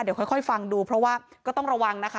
เดี๋ยวค่อยฟังดูเพราะว่าก็ต้องระวังนะคะ